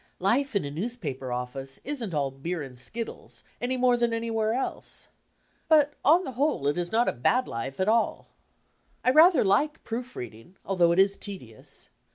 Life in a newspaper office isn't all 'beer and skinles' any more than anywhere else. But on the whole it is not a bad life at all! IJ „,. .,Google I rather like proof reading, although it is tedious.